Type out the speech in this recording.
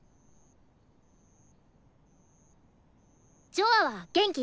ジョアは元気？